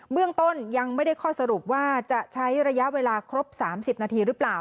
เรื่องต้นยังไม่ได้ข้อสรุปว่าจะใช้ระยะเวลาครบ๓๐นาทีหรือเปล่า